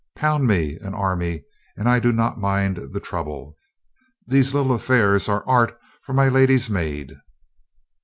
"Pound me an army and I do not mind the trouble. These little affairs are art for my lady's maid."